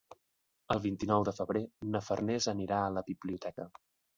El vint-i-nou de febrer na Farners anirà a la biblioteca.